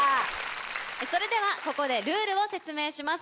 それではここでルールを説明します。